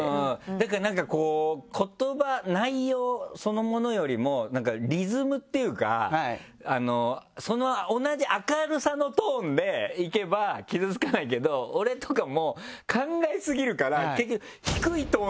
だからなんか言葉内容そのものよりもリズムっていうか同じ明るさのトーンでいけば傷つかないけど俺とかも考えすぎるから結局。